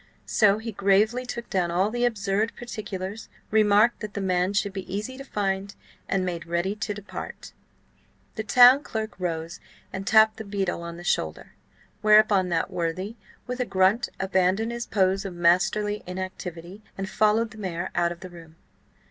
So he gravely took down all the absurd particulars, remarked that the man should be easy to find, and made ready to depart. The town clerk rose, and tapped the beadle on the shoulder, whereupon that worthy, with a grunt, abandoned his pose of masterly inactivity and followed the mayor out of the room.